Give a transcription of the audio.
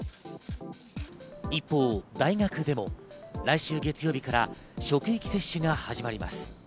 一方、大学でも来週月曜日から職域接種が始まります。